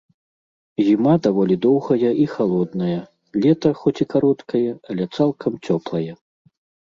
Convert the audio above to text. Зіма даволі доўгая і халодная, лета, хоць і кароткае, але цалкам цёплае.